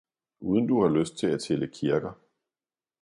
Uden du har lyst til at tælle kirker!